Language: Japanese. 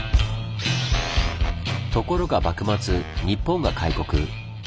ところが幕末日本が開国。